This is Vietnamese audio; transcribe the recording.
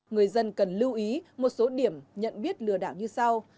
người dân cần lưu ý một số điểm nhận biết lừa đảo như sau